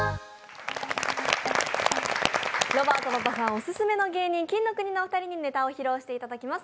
オススメの芸人、金の国のお二人にネタを披露していただきます。